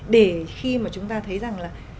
để khi mà chúng ta thấy rằng là